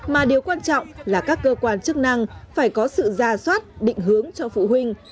mà điều quan trọng là các cơ quan chức năng phải có sự ra soát định hướng cho phụ huynh